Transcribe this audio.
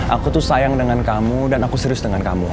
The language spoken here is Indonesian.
aku tuh sayang dengan kamu dan aku serius dengan kamu